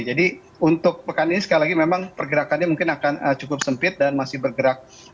jadi untuk pekan ini sekali lagi memang pergerakannya mungkin akan cukup sempit dan masih bergerak